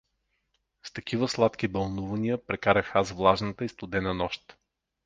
С такива сладки бълнувания прекарах аз влажната и студена нощ.